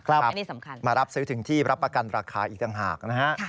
สำคัญมารับซื้อถึงที่รับประกันราคาอีกต่างหากนะฮะ